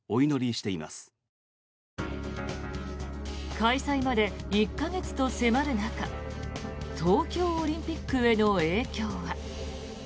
開催まで１か月と迫る中東京オリンピックへの影響は。